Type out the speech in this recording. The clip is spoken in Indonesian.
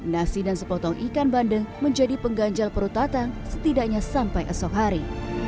nasi dan sepotong ikan bandeng menjadi pengganjal perut tatang setidaknya sampai esok hari